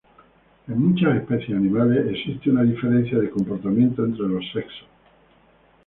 En muchas especies animales existe una diferencia de comportamiento entre los sexos.